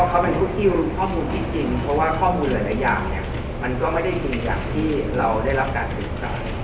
ก็คิดว่าข้อมูลที่จริงเพราะว่าข้อมูลเหลือในอย่างมันก็ไม่ได้จริงอย่างที่เราได้รับการศึกษา